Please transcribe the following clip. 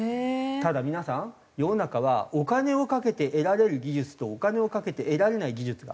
ただ皆さん世の中はお金をかけて得られる技術とお金をかけて得られない技術がある。